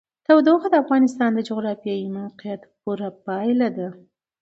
تودوخه د افغانستان د جغرافیایي موقیعت پوره پایله ده.